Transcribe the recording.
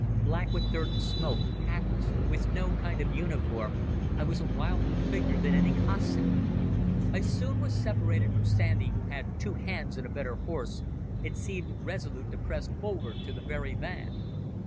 Black with dirt and smoke, hatless, with no kind of uniform, I was a wilder figure than any Cossack. I soon was separated from Sandy, who had two hands and a better horse, and seemed resolute to press forward to the very van.